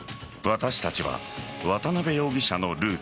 私たちは渡辺容疑者のルーツ